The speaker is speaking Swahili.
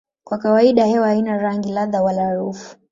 Kwa kawaida hewa haina rangi, ladha wala harufu.